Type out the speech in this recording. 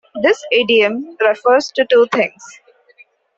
This idiom refers to two things.